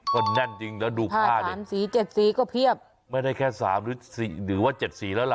ก็แน่นจริงแล้วดูผ้าดิสามสีเจ็ดสีก็เพียบไม่ได้แค่สามหรือสี่หรือว่าเจ็ดสีแล้วล่ะ